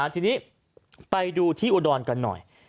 ทีนี้ไปดูที่อุดรกันหน่อย